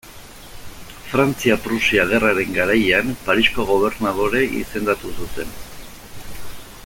Frantzia-Prusia Gerraren garaian, Parisko gobernadore izendatu zuten.